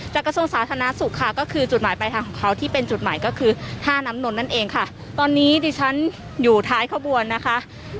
กระทรวงสาธารณสุขค่ะก็คือจุดหมายปลายทางของเขาที่เป็นจุดหมายก็คือท่าน้ำนนท์นั่นเองค่ะตอนนี้ดิฉันอยู่ท้ายขบวนนะคะ